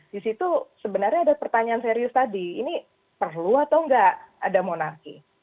di situ sebenarnya ada pertanyaan serius tadi ini perlu atau enggak ada monarki